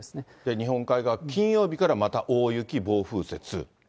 日本海側、金曜日からまた大雪、暴風雪。